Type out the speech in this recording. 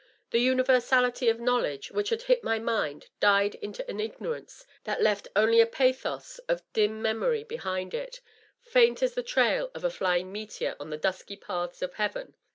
.. The universality of knowledge which had lit my mind died into an ignorance that left only a pathos of dim memory behind it, faint as the trail of a flying meteor on the dusky paths of heaven.